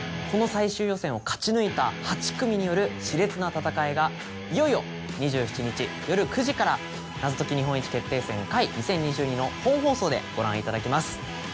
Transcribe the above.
この最終予選を勝ち抜いた８組による熾烈な戦いがいよいよ２７日夜９時から『謎解き日本一決定戦Ｘ２０２２』の本放送でご覧いただけます。